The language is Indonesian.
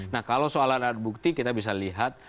nah kalau soal alat bukti kita bisa lihat